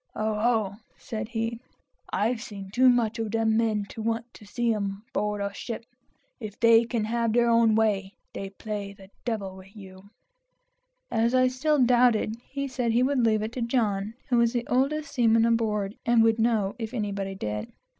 "Oh ho!" said he; "I've seen too much of them men to want to see 'em 'board a ship. If they can't have their own way, they'll play the d l with you." As I still doubted, he said he would leave it to John, who was the oldest seaman aboard, and would know, if anybody did.